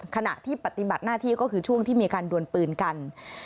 ขณะที่ปฏิบัติหน้าที่ก็คือช่วงที่มีการดวนปืนกัน